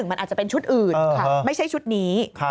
มันอาจจะเป็นชุดอื่นไม่ใช่ชุดนี้